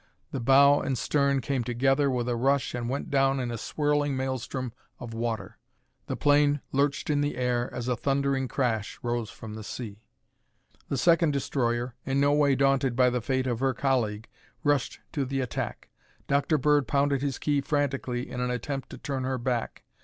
The bow and stern came together with a rush and went down in a swirling maelstrom of water. The plane lurched in the air as a thundering crash rose from the sea. The second destroyer, in no way daunted by the fate of her colleague, rushed to the attack. Dr. Bird pounded his key frantically in an attempt to turn her back.